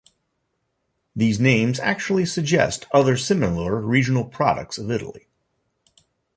These names actually suggest other similar regional products of Italy.